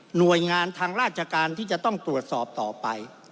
หน่วยงานทางราชการที่จะต้องตรวจสอบต่อไป